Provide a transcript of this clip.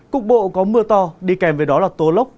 cục bộ có mưa to đi kèm với đó là tố lốc